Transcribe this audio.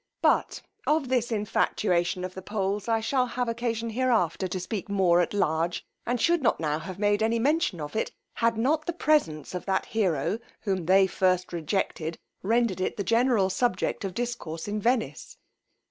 But of this infatuation of the Poles I shall have occasion hereafter to speak more at large, and should not now have made any mention of it, had not the presence of that hero, whom they first rejected, rendered it the general subject of discourse at Venice.